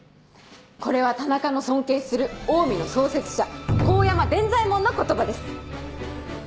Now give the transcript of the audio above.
これは田中の尊敬するオウミの創設者神山伝左衛門の言葉です。